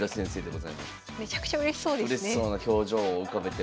めちゃくちゃうれしそうですね。